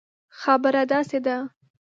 خبره داسي ده